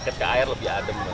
jangan terlalu banyak terbawa nya